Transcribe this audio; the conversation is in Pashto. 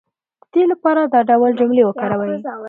د دې لپاره دا ډول جملې وکاروئ